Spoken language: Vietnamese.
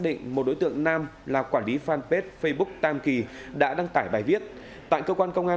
định một đối tượng nam là quản lý fanpage facebook tam kỳ đã đăng tải bài viết tại cơ quan công